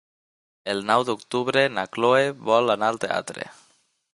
El nou d'octubre na Cloè vol anar al teatre.